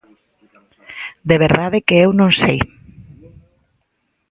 De verdade que eu non sei.